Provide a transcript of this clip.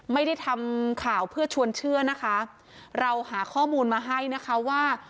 ไม่ได้ทำข่าวเพื่อชวนเชื่อนะคะเราหาข้อมูลมาให้นะคะว่า